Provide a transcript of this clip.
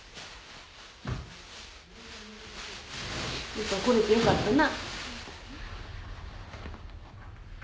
来れてよかったな。